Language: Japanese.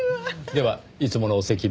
ではいつものお席で。